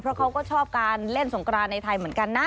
เพราะเขาก็ชอบการเล่นสงกรานในไทยเหมือนกันนะ